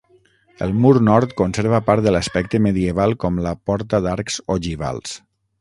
El mur nord conserva part de l'aspecte medieval com la porta d'arcs ogivals.